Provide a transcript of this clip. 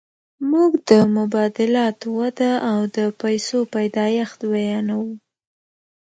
موږ د مبادلاتو وده او د پیسو پیدایښت بیانوو